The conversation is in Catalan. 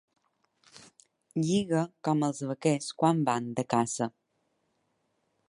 Lliga com els vaquers quan van de caça.